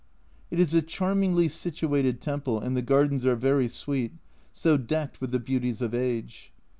It is a charmingly situated temple, and the gardens are very sweet, so decked with the beauties of age.